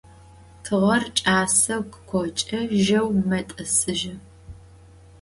Tığer ç'aseu khıkhoç'ı, jeu met'ısıjı.